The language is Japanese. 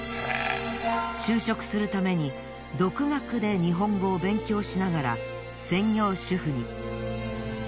就職するために独学で日本語を勉強しながら専業主夫に。